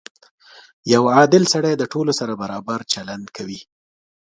• یو عادل سړی د ټولو سره برابر چلند کوي.